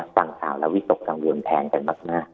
ฝั่งสาวและวิตรกังเวลาแทนกันมาก